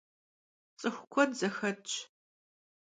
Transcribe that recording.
Ts'ıxu kued zexetş.